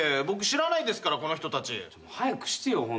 僕知らないですからこの人たち。早くしてよ